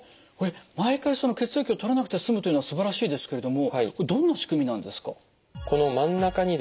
これ毎回血液を採らなくて済むというのはすばらしいですけれどもこれどんな仕組みなんですか？